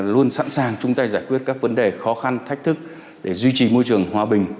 luôn sẵn sàng chung tay giải quyết các vấn đề khó khăn thách thức để duy trì môi trường hòa bình